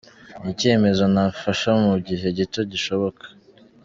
Ni icyemezo nafasha mu gihe gito gishoboka.